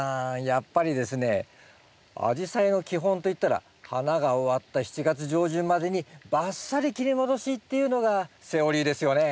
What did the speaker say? やっぱりですねアジサイの基本といったら花が終わった７月上旬までにバッサリ切り戻しっていうのがセオリーですよね？